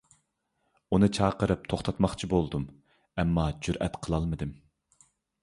ئۇنى چاقىرىپ توختاتماقچى بولدۇم، ئەمما جۈرئەت قىلالمىدىم.